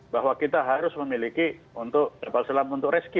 bahwa kita harus memiliki untuk kapal selam untuk rescue